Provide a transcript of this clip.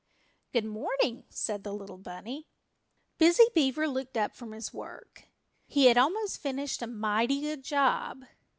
"Good morning," said the little bunny. Busy Beaver looked up from his work. He had almost finished a mighty good job.